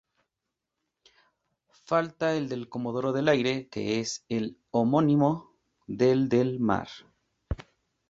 Falta el de comodoro del aire que es el homónimo del del mar.